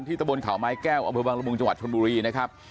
ที่ตะบนข่าวไม้แก้วอบริบังระบุงจังหวัดชนบุรีนะครับ